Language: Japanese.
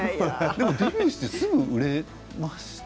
デビューしてすぐに売れましたよね。